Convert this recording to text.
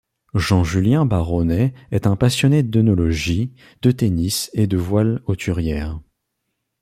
Jean-Julien Baronnet est un passionné d’œnologie, de tennis et de voile hauturière.